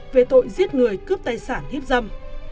về tội giết người cướp tài sản hiếp dâm